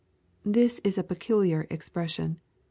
] This is a peculiar expression.